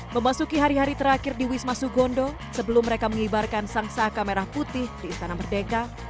memasuki hari hari terakhir di wisma sugondo sebelum mereka mengibarkan sang saka merah putih di istana merdeka